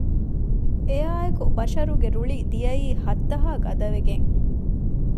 އެއާއެކު ބަޝަރުގެ ރުޅި ދިޔައީ ހައްތަހާ ގަދަވެގެން